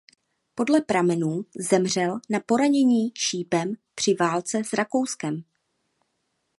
Podle pramenů zemřel na poranění šípem při válce s Rakouskem.